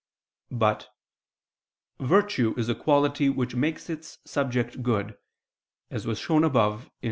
But "virtue is a quality which makes its subject good," as was shown above (Q.